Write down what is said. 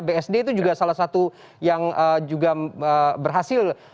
bsd itu juga salah satu yang juga berhasil